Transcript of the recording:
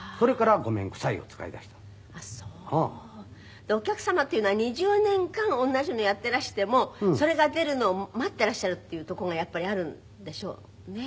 でお客様というのは２０年間同じのやってらしてもそれが出るのを待ってらっしゃるっていうとこがやっぱりあるんでしょうね。